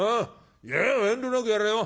おお遠慮なくやれよ。